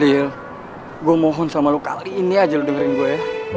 lil gua mohon sama lo kali ini aja lo dengerin gua ya